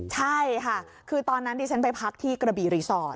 ใช่ค่ะคือตอนนั้นดิฉันไปพักที่กระบีรีสอร์ท